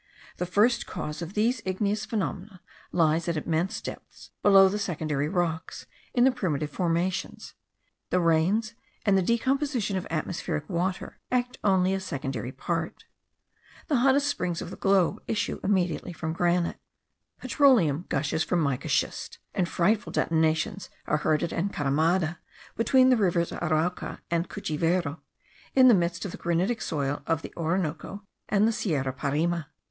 The first cause of these igneous phenomena lies at immense depths below the secondary rocks, in the primitive formations: the rains and the decomposition of atmospheric water act only a secondary part. The hottest springs of the globe issue immediately from granite. Petroleum gushes from mica schist; and frightful detonations are heard at Encaramada, between the rivers Arauca and Cuchivero, in the midst of the granitic soil of the Orinoco and the Sierra Parima.